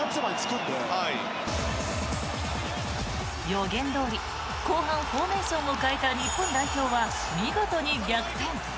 予言どおり、後半フォーメーションを変えた日本代表は、見事に逆転。